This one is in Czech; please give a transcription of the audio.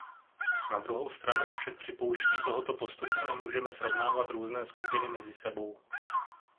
Na druhou stranu však při použití tohoto postupu nemůžeme srovnávat různé skupiny mezi sebou.